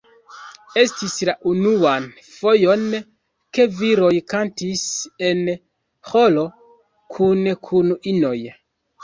Estis la unuan fojon, ke viroj kantis en ĥoro kune kun inoj.